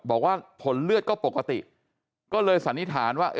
บอกว่าผลเลือดก็ปกติก็เลยสันนิษฐานว่า